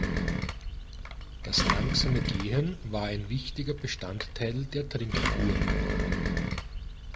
Das langsame Gehen war ein wichtiger Bestandteil der Trinkkur.